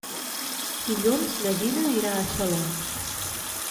Dilluns na Gina irà a Xaló.